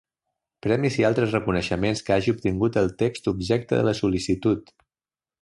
Premis i altres reconeixements que hagi obtingut el text objecte de la sol·licitud.